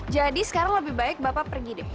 jadi sekarang lebih baik bapak pergi deh